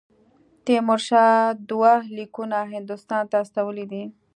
تیمورشاه دوه لیکونه هندوستان ته استولي دي.